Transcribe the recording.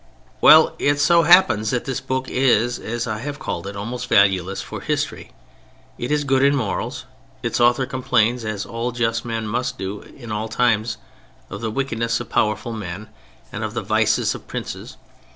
Well, it so happens that this book is, as I have called it, almost valueless for history. It is good in morals; its author complains, as all just men must do in all times, of the wickedness of powerful men, and of the vices of princes.